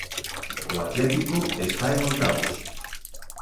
O Atlético está en oitavos.